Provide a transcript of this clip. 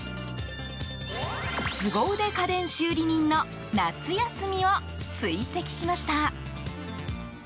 すご腕家電修理人の夏休みを追跡しました。